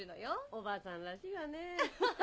おばさんらしいわねぇ。